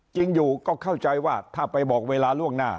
จริงอยู่ก็เข้าใจว่าถ้าไปบอกเวลาล่วงหน้า